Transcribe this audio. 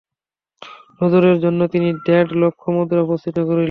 নজরের জন্য তিনি দেড় লক্ষ মুদ্রা উপস্থিত করিলেন।